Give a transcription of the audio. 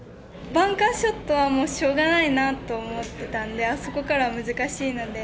バンカーショットはしょうがないなと思っていたのであそこからは難しいので。